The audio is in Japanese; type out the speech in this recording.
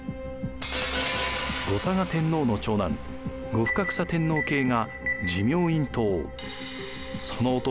後嵯峨天皇の長男後深草天皇系が持明院統その弟